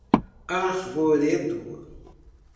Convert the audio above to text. Arvoredo